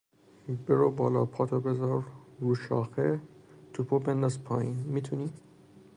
برو بالا، پاتو بزار رو شاخه، توپو بنداز پایین، میتونی؟